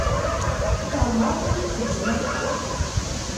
Kerheɣ mi yi-txeddem akka.